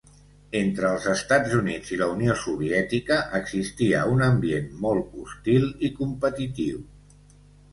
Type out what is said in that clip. Entre els Estats Units i la Unió Soviètica existia un ambient molt hostil i competitiu.